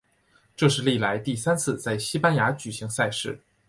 这是历来第三次在西班牙举行赛事。